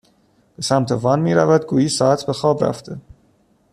به سمت وان میرود گویی ساعت به خواب رفته